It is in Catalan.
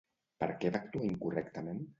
Per què va actuar incorrectament?